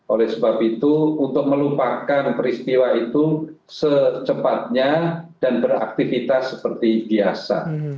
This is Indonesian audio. oleh sebab itu untuk melupakan peristiwa itu secepatnya dan beraktivitas seperti biasa